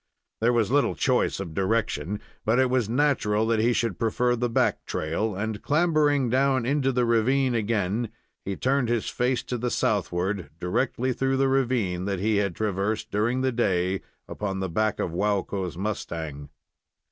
There was little choice of direction, but it was natural that he should prefer the back trail, and, clambering down into the ravine again, he turned his face to the southward, directly through the ravine that he had traversed during the day upon the back of Waukko's mustang.